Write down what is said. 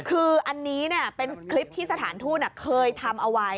คืออันนี้เป็นคลิปที่สถานทูตเคยทำเอาไว้